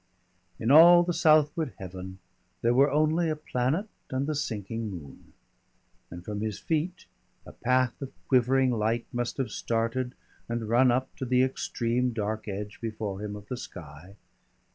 In all the southward heaven there were only a planet and the sinking moon, and from his feet a path of quivering light must have started and run up to the extreme dark edge before him of the sky.